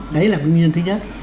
đấy là nguyên nhân thứ nhất